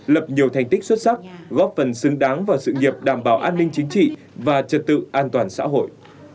lập nhiều thành tích xuất sắc góp phần xứng đáng vào sự nghiệp đảm bảo an ninh chính trị và trật tự an toàn xã hội